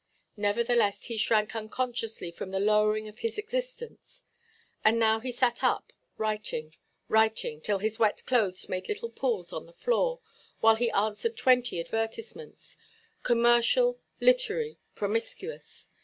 Nevertheless, he shrank unconsciously from the lowering of his existence. And now he sat up, writing, writing, till his wet clothes made little pools on the floor, while he answered twenty advertisements, commercial, literary, promiscuous.